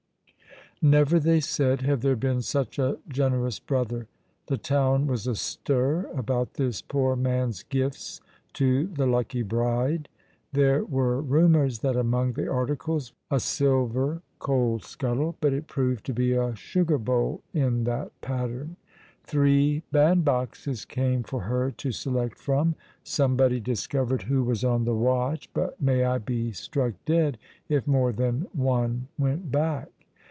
Never, they said, had there been such a generous brother. The town was astir about this poor man's gifts to the lucky bride. There were rumours that among the articles was a silver coal scuttle, but it proved to be a sugar bowl in that pattern. Three bandboxes came for her to select from; somebody discovered who was on the watch, but may I be struck dead if more than one went back.